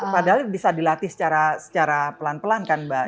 padahal bisa dilatih secara pelan pelan kan mbak